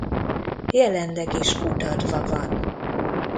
Jelenleg is kutatva van.